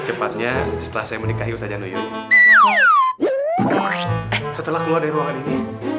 cepatnya setelah saya menikahi usajano yo setelah keluar dari ruangan ini